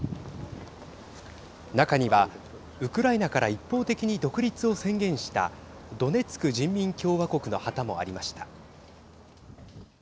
中には、ウクライナから一方的に独立を宣言したドネツク人民共和国の旗もありました。